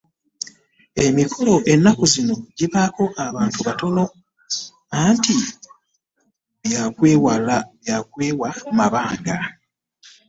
Emikolo ennaku zino gibaako abantu batono anti bya kwewa mabanga.